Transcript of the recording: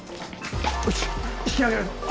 よし引き上げるぞ。